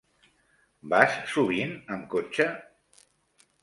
Vas sovint amb cotxe?